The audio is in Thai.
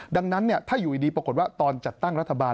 ดังนั้นถ้าอยู่ดีปรากฏว่าตอนจัดตั้งรัฐบาล